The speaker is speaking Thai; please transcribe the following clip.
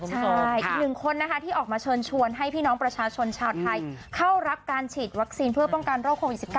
ใช่อีกหนึ่งคนนะคะที่ออกมาเชิญชวนให้พี่น้องประชาชนชาวไทยเข้ารับการฉีดวัคซีนเพื่อป้องกันโรคโควิด๑๙